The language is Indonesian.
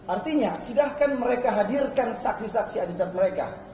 artinya silahkan mereka hadirkan saksi saksi adicat mereka